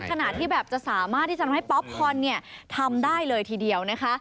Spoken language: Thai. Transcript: ขนาดที่แบบจะสามารถที่จะทำให้ป๊อปคอนมีปุ้งได้เลยทีเดียว